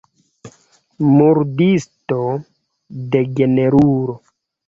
Murdisto, degenerulo.